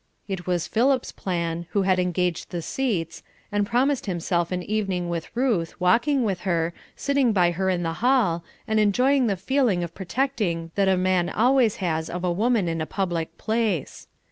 It was Philip's plan, who had engaged the seats, and promised himself an evening with Ruth, walking with her, sitting by her in the hall, and enjoying the feeling of protecting that a man always has of a woman in a public place.